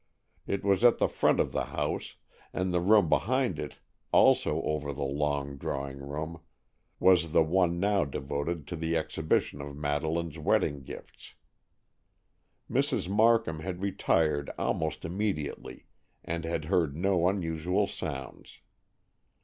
It was at the front of the house, and the room behind it, also over the long drawing room, was the one now devoted to the exhibition of Madeleine's wedding gifts. Mrs. Markham had retired almost immediately and had heard no unusual sounds.